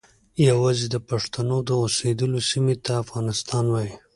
یوازې د پښتنو د اوسیدلو سیمې ته افغانستان وایي.